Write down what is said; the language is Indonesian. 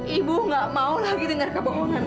ibu gak mau lagi dengar kebohongan